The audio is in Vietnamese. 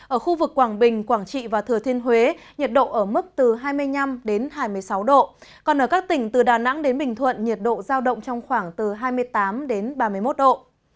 ở khu vực quảng bình quảng trị và thừa thiên huế nhiệt độ ở mức từ hai mươi năm đến hai mươi sáu độ còn ở các tỉnh từ đà nẵng đến bình thuận nhiệt độ giao động trong khoảng từ hai mươi tám đến ba mươi một độ